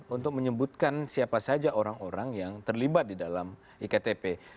untuk menyebutkan siapa saja orang orang yang terlibat di dalam iktp